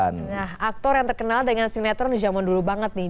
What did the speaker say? nah aktor yang terkenal dengan sinetron di zaman dulu banget nih